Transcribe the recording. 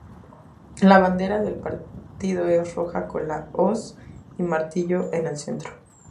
La bandera del partido es roja con la hoz y martillo en el centro.